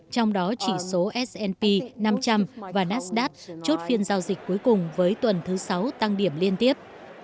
trong đó chỉ số s p năm trăm linh và nasdad chốt phiên giao dịch cuối cùng với tuần thứ sáu tăng điểm liên tiếp